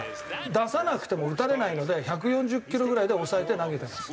出さなくても打たれないので１４０キロぐらいで抑えて投げてます